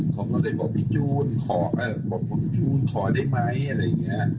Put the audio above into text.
เขาก็เลยบอกพี่จูนขอได้ไหมอะไรอย่างนี้